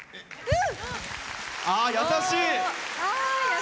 優しい！